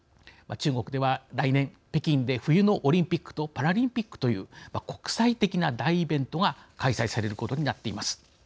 中国では来年北京で冬のオリンピックとパラリンピックという国際的な大イベントが開催されることになっています。